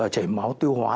chảy máu tiêu hóa